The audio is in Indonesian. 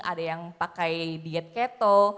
ada yang pakai diet keto